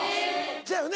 そやよね？